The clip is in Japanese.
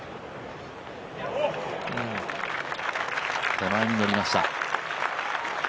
手前にのりました。